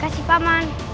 terima kasih pak man